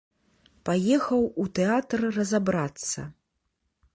Паехаў у тэатр разабрацца.